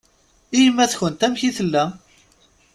I yemma-tkent amek i tella?